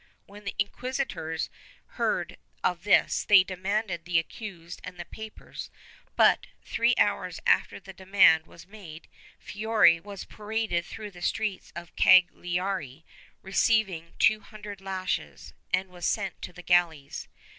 When the inquisi tors heard of this, they demanded the accused and the papers but, three hours after the demand was made, Fiori was paraded through the streets of Cagliari, receiving two hundred lashes, and was sent to the galleys.